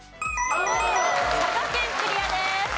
佐賀県クリアです。